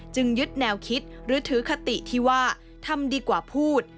ยึดแนวคิดหรือถือคติที่ว่าทำดีกว่าพูด